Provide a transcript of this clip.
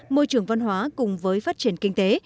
môi trường văn hóa cùng với phát triển kinh tế